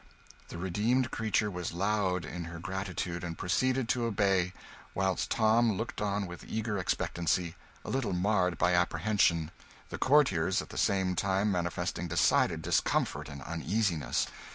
The redeemed creature was loud in her gratitude, and proceeded to obey, whilst Tom looked on with eager expectancy, a little marred by apprehension; the courtiers at the same time manifesting decided discomfort and uneasiness.